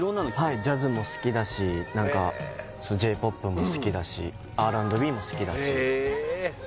はいジャズも好きだし何かＪ−ＰＯＰも好きだしＲ＆Ｂも好きだしへえ